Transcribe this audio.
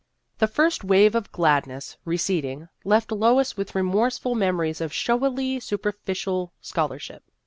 The first wave of gladness, reced ing, left. Lois with remorseful memories of showily superficial scholarship.